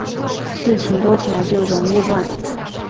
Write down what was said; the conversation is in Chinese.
事情多起来就容易乱